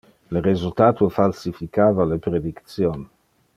Le resultato falsificava le prediction.